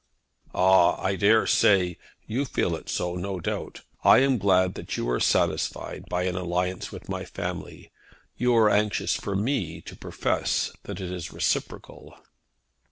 "Ah! I dare say. You feel it so, no doubt. I am glad that you are satisfied by an alliance with my family. You are anxious for me to profess that it is reciprocal."